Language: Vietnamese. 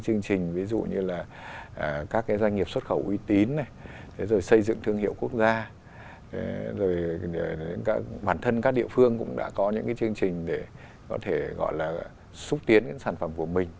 chương trình ví dụ như là các cái doanh nghiệp xuất khẩu uy tín này rồi xây dựng thương hiệu quốc gia rồi bản thân các địa phương cũng đã có những cái chương trình để có thể gọi là xúc tiến sản phẩm của mình